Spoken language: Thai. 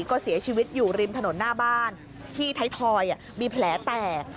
ก็เสียชีวิตอยู่ริมถนนหน้าบ้านที่ไทยทอยมีแผลแตก